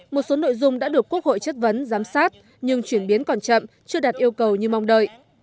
một số nội dung đã được quốc hội chất vấn giám sát nhưng chuyển biến còn chậm chưa đạt yêu cầu như mong đợi